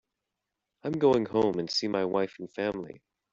I'm going home and see my wife and family.